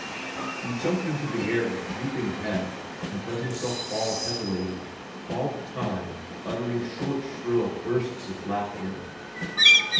He jumped into the air with drooping head, and let himself fall heavily, all the time uttering short, shrill bursts of laughter.